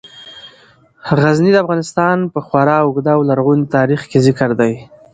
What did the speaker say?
غزني د افغانستان په خورا اوږده او لرغوني تاریخ کې ذکر دی.